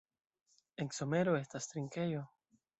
En somero estas trinkejo.